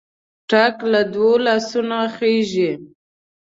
ټک له دوو لاسونو خېژي.